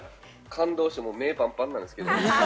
感動して目パンパンなんですけど。